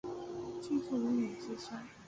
居住于宇治山。